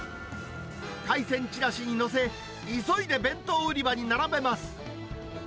海鮮ちらしに載せ、急いで弁当売り場に並べます。